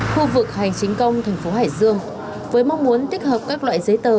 khu vực hành chính công thành phố hải dương với mong muốn tích hợp các loại giấy tờ